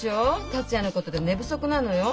達也のことで寝不足なのよ。